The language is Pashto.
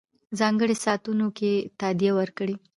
ځانګړو ساعتونو کم تادیه ورکړي.